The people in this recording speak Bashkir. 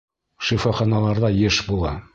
Шифаханаларҙа йыш була.